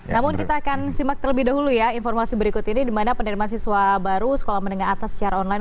namun kita akan simak terlebih dahulu ya informasi berikut ini di mana penerimaan siswa baru sekolah menengah atas secara online